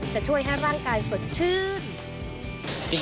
จะช่วยให้ร่างกายสดชื่น